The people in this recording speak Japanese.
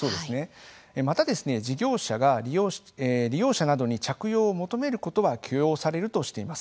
また事業者が利用者などに着用を求めることは許容されるとしています。